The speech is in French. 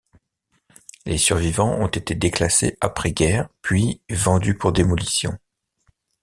Les survivants ont été déclassés après-guerre, puis vendus pour démolition.